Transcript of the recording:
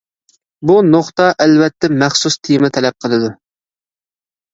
بۇ نۇقتا ئەلۋەتتە مەخسۇس تېما تەلەپ قىلىدۇ.